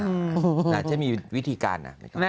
แกะทุกข์จะมีวิธีการ